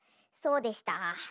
そうでした。